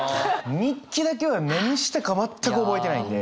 日記だけは何したか全く覚えてないんで。